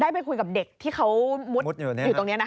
ไปคุยกับเด็กที่เขามุดอยู่ตรงนี้นะ